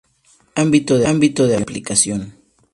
Ámbito de aplicación.